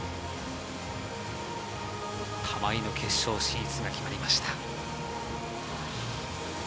玉井の決勝進出が決まりました。